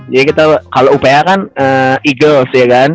jadi kita kalo uph kan eagles ya kan